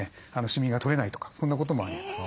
シミが取れないとかそんなこともあります。